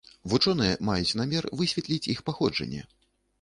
Вучоныя маюць намер высветліць іх паходжанне.